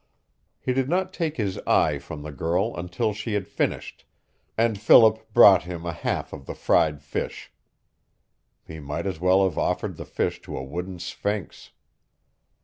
He did not take his eyes from the girl until she had finished, and Philip brought him a half of the fried fish. He might as well have offered the fish to a wooden sphinx.